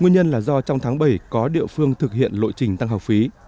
nguyên nhân là do trong tháng bảy có địa phương thực hiện lộ trình tăng học phí